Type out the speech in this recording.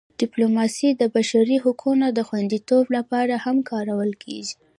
ډیپلوماسي د بشري حقونو د خوندیتوب لپاره هم کارول کېږي.